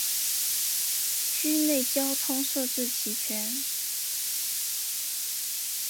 区域内交通设置齐全。